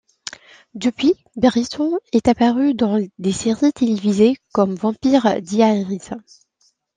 Depuis, Bryton est apparu dans des séries télévisées comme Vampire Diaries.